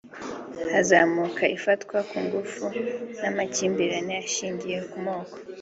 hazamuka ifatwa ku ngufu n’amakimbirane ashingiye ku moko